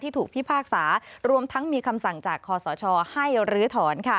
ที่ถูกผิดภาครศาสตร์รวมทั้งมีคำสั่งจากคสชให้รื้อถอน